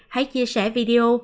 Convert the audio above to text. hãy chia sẻ video